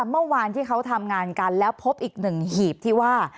เมื่อวานที่เขาทำงานกันแล้วพบอีกหนึ่งหีบที่ว่า